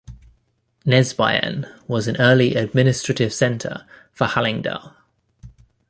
Nesbyen was an early administrative center for Hallingdal.